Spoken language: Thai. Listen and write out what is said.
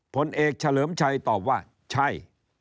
ผลเอกเฉลิมชัยตอบว่าใช่